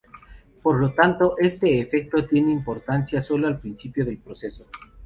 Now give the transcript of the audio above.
Por lo tanto este efecto tiene importancia solo al principio del proceso.